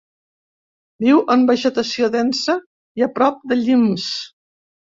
Viu en vegetació densa i a prop de llims.